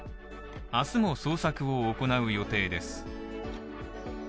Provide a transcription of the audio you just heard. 明日も捜索を行う予定です。